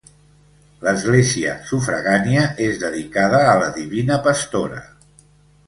L'església sufragània és dedicada a la divina Pastora.